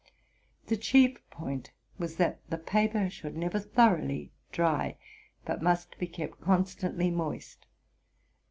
The chief point was, that the paper should never thoroughly dry, but must be kept constantly moist.